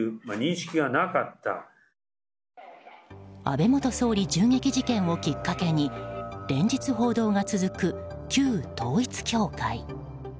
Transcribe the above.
安倍元総理銃撃事件をきっかけに連日報道が続く旧統一教会。